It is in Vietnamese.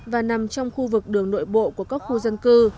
và nằm trong khu vực đường nội bộ của các khu dân cư